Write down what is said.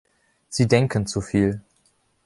Sie denken zu viel.